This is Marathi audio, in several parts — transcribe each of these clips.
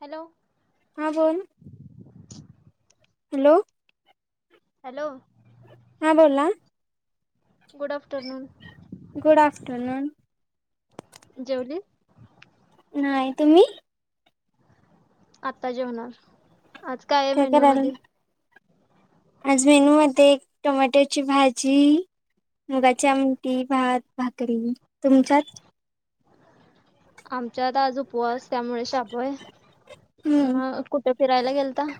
हॅलो. हां बोल. हॅलो. हॅलो. हां बोला. Good afternoon good afternoon. जेवलीस. नाही तुम्ही? आत्ता जेवणार. आज आहे काय मेन्यू करालाय मध्ये आज मेनू मध्ये एक टोमॅटोची भाजी. मुगाची आमटी, भात, भाकरी तुमच्यात. आमच्यात आज उपवास त्यामुळे आज शाबू. हम्म मग कुठे फिरायला गेलता.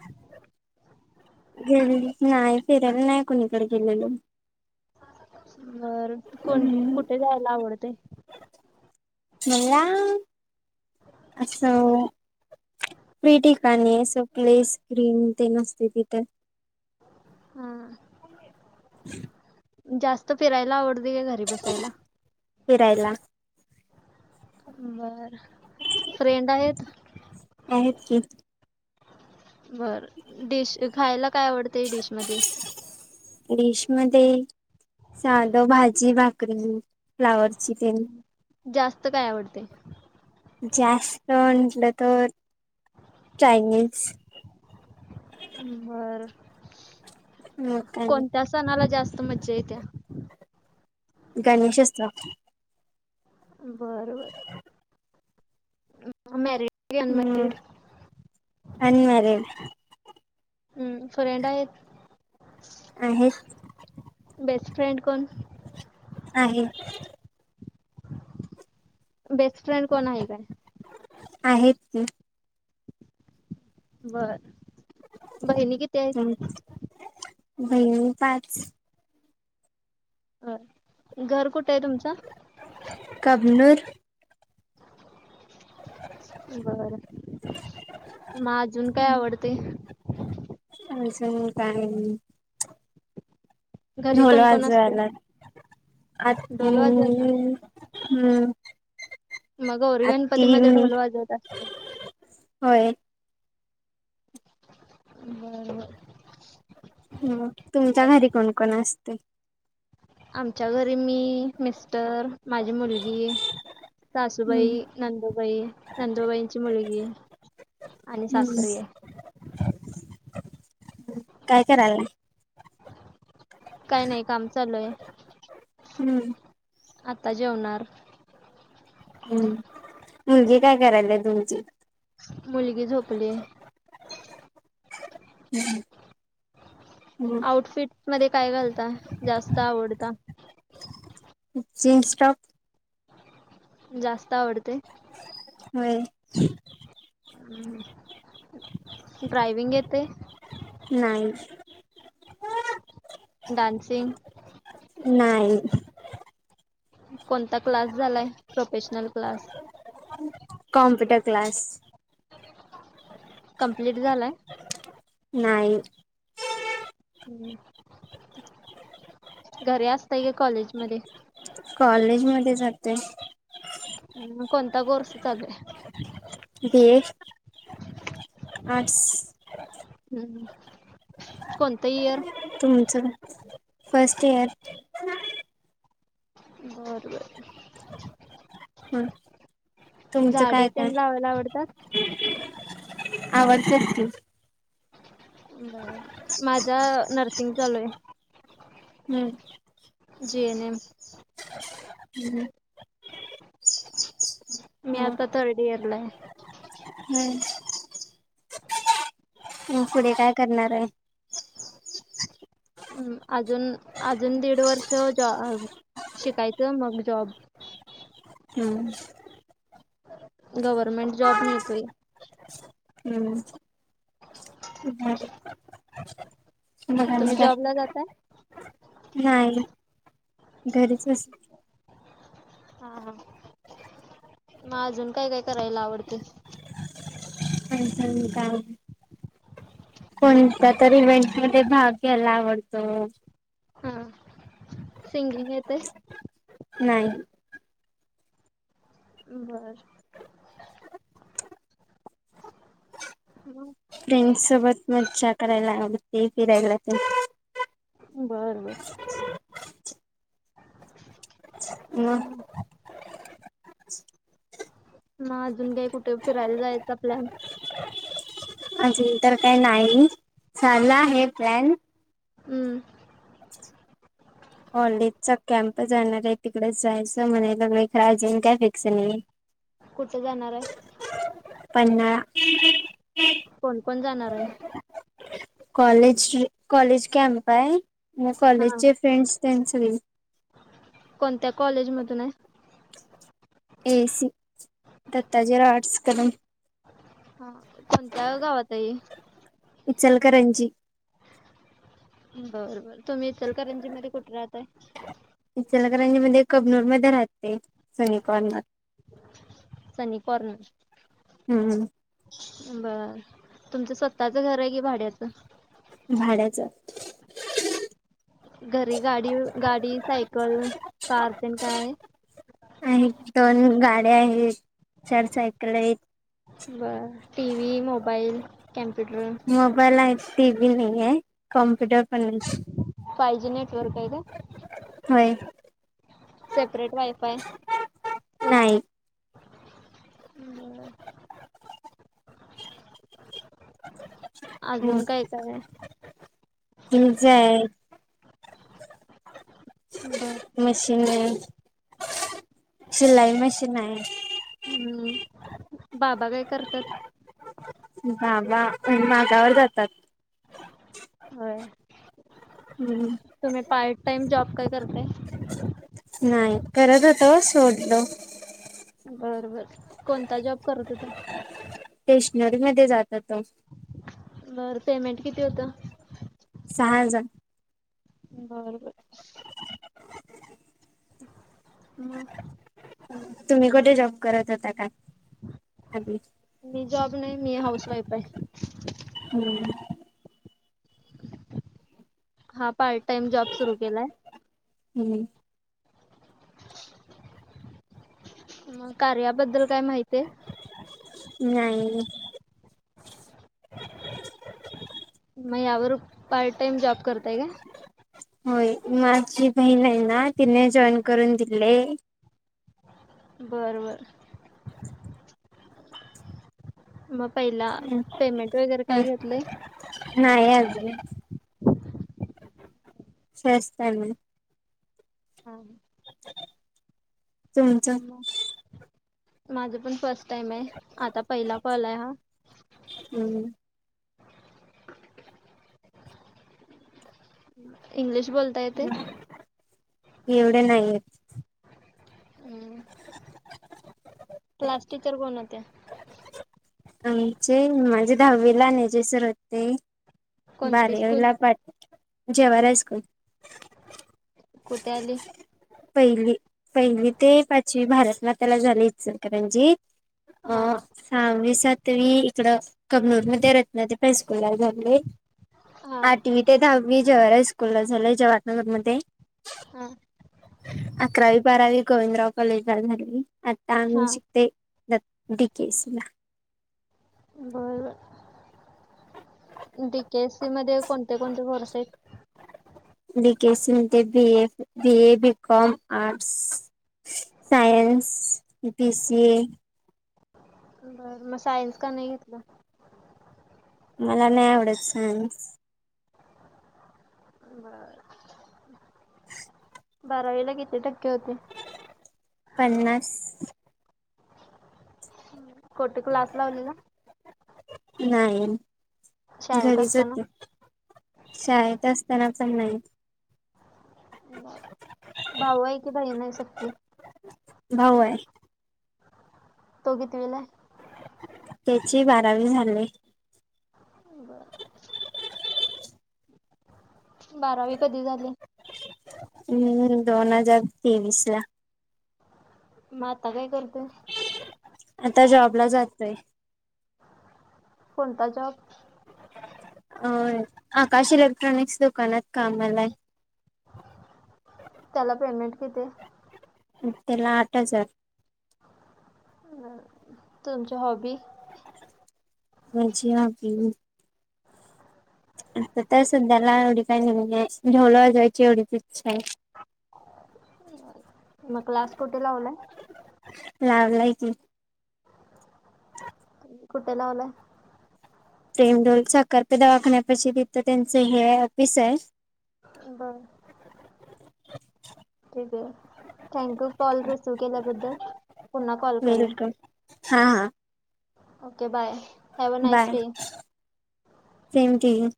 नाही फिरायला नाही कुणीकडे गेलेलो. बर कोण हम्म कुठे जायला आवडतय? मला. असं फ्री ठिकाणी आहे असं. प्ले स्क्रीन ते नसते तिथे. हम्म. [unintelligible] जास्त फिरायला आवडते का घरी बसायला? फिरायला. बर फ्रेंड आहेत. आहेत की. बरं डिश खायला काय आवडतं हे डिश मध्ये? डिश मध्ये साधं भाजी, भाकरी, फ्लावरची तेन. जास्त काय आवडतय? जास्त म्हटलं तर चायनीज. बर मग काय नाही. कोणत्या सणाला जास्त मज्जा येत्या? गणेश उत्सवात. बरं बरं. मॅरिड की अनमॅरिड. अनमॅरीड. हम्म. फ्रेंड आहेत. आहे. बेस्टफ्रेंड कोण? आहे. बेस्ट फ्रेड कोण आहे काय? आहेत की. बरं बहिणी किती आहे? बहिणी पाच. घर कुठे आहे तुमचं? कबनुर. बरं मग अजून काय आवडते? आज काय. घरी ढोल कोण कोण असते वाजवायला ढोल वाजवायला [unintelligible] हम्म. मग गौरी गणपती आत्ती मध्ये मी ढोल वाजवत्यास अस होय. बर बर. मग तुमच्या मग घरी कोणकोण असतंय? आमच्या घरी मी मिस्टर माझी मुलगी. सासूबाई, हम्म नंदुबाई, नंदुबाईंची मुलगी. आणि हम्म सासरे आहे. काय करायला लागलाय? काय नाही, काम चालू हाय. हम्म आता जेवणार. हम्म मुलगी काय करायलया तुमची? मुलगी झोपलीए. हम्म. आउटफिटमध्ये काय घालता, जास्त आवडता? मग जीन्स टॉप. जास्त आवडतय. व्हय. हम्म. ड्रायव्हिंग येतंय? नई. डान्सिंग. नाही. कोणता क्लास झालाय, professional class? Computer class. Complete झालाय. नाही. हम्म तेच की. घरी असताय का कॉलेजमध्ये? कॉलेजमध्ये जातोय. हम कोणता कोर्स चालू हाय? किती हेच. आर्ट्स हम्म हम्म. कोणतं इयर? तुमचं काय? First year. बर बर. ह तुमचं काय झाडे काय तेन लावायला आवडतात. आवडतात की. बरं माझं नर्सिंग चालू हाय. हम्म. जी एन एम हम्म. मी मग आता थर्ड इयरला आहे. हम्म. [inaudible] मग पुढे काय करणाराय? हम्म अजून अजून दीड वर्ष जॉ शिकायचं मग जॉब. हम्म. गव्हर्नमेंट जॉब मिळतोय. हम्म हम्म, ढाले. मग आज तुम्ही काय? जॉबला जाताय नाय घरीच अस हा हा म अजून काय काय करायला आवडतय? मग तर काय, कोणता तर इव्हेंट मध्ये भाग. गेला वन. हा, सिंगिंग येतंय. नाही. बर. मग फ्रेंड सोबत मज्जा करायला आवडते फिरायला पण. बर बर. मग [unintelligible] मग अजून काही कुठं फिरायला जायचा प्लॅन अजून तर काय नाही, चालला आहे प्लॅन. हम्म. [unintelligible] कॉलेजचा कॅम्प जाणार आहे तिकडेच जायचं म्हणाय लगलोय, खरं अजून काय फिक्स नाही. कुठं जाणार आहे? पन्हाळा. कोण कोण जाणार हाय? कॉलेज कॉलेज कॅम्प आहे, मग हा. कॉलेजचे फ्रेंड्स त्यांच सगळी कोणत्या कॉलेजमधून आहे? एसी. दत्ताजीराव आर्टस कदम. हा कोणत्या गावात ये. इचलकरंजी. बरं बरं. तुम्ही इचलकरंजी मध्ये कुठे राहताय? इचलकरंजीमध्ये कबनूरमध्ये राहते. सनी कॉर्नर सनी कॉर्नर. हम्म बरं. तुमचं स्वतःचं घर आहे, की भाड्याचं? भाड्याचं. घरी गाडी गाडी, सायकल कार तेन काय आहे? आहेत दोन गाड्या आहेत, चार सायकल आहेत. बर. TV, mobile, computer. मोबाईल आहे, टीव्ही नाहीये. कॉम्प्युटर पण फाय जी नेटवर्क आहे हाय, का होय. सेपरेट वायफाय नाही. बर. अजून काय काय आहे तुमचं आहे. बर. मशीन आहे. शिलाई मशीन आहे. हम्म बाबा काय करत्यात? बाबा माझ्यावर जातात. होय. हम्म. तुम्ही पार्ट टाइम जॉब काय करताय? नाही करत होतो सोडलो. बर बर कोणता जॉब करत होता? स्टेशनरीमध्ये जात होतो. बरं पेमेंट किती होतं. सहा हजार. बर बर. मग? तुम्ही कुठे जॉब करत होता का? मी जॉब नाही मी हाऊस वाईफ आहे. हम्म. हा पार्ट टाइम जॉब सुरू केलाय. हम्म. म कार्य बद्दल काय माहित आहे? नाही म यावर पार्ट टाइम जॉब करताय का? होय माझी बहीण आहे ना तिने जॉईन करून दिलेय. बरं बरं. म पहिला पेमेंट वगैरे काय घेतलंय? नाय हाय अजून स्वस्त आहे मला. हा हा. तुमचं मग माझं पण फर्स्ट टाइम आहे आता पहिला कॉल आहे हा. हम्म. इंग्लिश बोल [unintelligible] एवढे नाही आहेत. हम्म क्लास टीचर कोण होत्या? आमचे माझे दहावीला नेजे सर होते. कोणती स्कूल बारवीला पाट जेवार आहे स्कूल. कुठे आली? पहिली पहिली ते पाचवी भारत मताला झालेचस करणजीत. अ हां सहावी-सातवी इकडं कमनूर मध्ये रत्नादि पै स्कूलला जात. लई हां आठवी ते दहावी जेवारय स्कूलला झालंय [unintelligible] म्हणते. हा. अकरावी, बारावी गोविंदराव कॉलेज ला झालेली आता आम्ही हां शिकते द डी केे सी ला. बरं डी के सी मध्ये कोणते कोणते कोरस आहेत? बी के सी एम ते B F B A B com, arts science, T C A बरं म सायन्स का नाही घेतला? मला नाय आवडत सायन्स. [unintelligible] बारावीला किती टक्के होते? पन्नास कोठे क्लास लावलेला? नाही शाळेत घरीच असताना होते. शाळेत असताना चन नाही. भाऊ आहे कि बहीण आहे सक्की? भाऊ आहे. तो कितविला आहे? त्याची बारावी झाले. बर बारावी कधी झाले? हम्म दोन हजार तेवीस ला. म आता काय करतोय? आता जॉबला जातोय कोणता जॉब? अय आकाश इलेक्ट्रॉनिक्स दुकानात कामला आहे. त्याला पेमेंट कितीे आहे? त्याला आठ हजार आं तुमच्या हॉबी मझी आपली अताकाय सुद्ध्याला एवढी काय घेऊ ठेवलं जवला जायची एवढीच इच्छा आहे [unintelligible] [inaudible] म क्लास कुठे लावलाय लावलाय की. [inaudible] कुठे लावला प्रेम ढोल साखरपे दवाखण्यापशी तिथं त्यांचं हे ऑफिस आहे. बर अच् [unintelligible] ठीक आहे, थैंकयू कॉल रिसिव केल्याबद्दल, पुन्हा कॉल करेन. वेलकम हा. Okay bye have a nice by [inaudible] day. Same to you